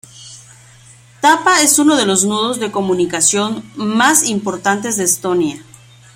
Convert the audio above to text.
Tapa es uno de los nudos de comunicación más importantes de Estonia.